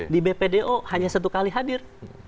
di bpdo hanya satu kali hadir